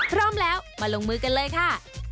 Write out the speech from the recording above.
พร้อมแล้วมาลงมือกันเลยค่ะ